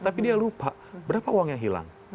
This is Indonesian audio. tapi dia lupa berapa uang yang hilang